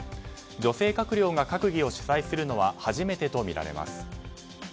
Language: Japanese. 女性閣僚が閣議を主宰するのは初めてとみられます。